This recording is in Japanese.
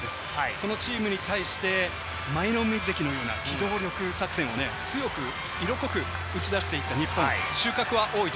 そのチームに対して、舞の海関のような機動力作戦をね、強く、色濃く打ち出していった日そうですね。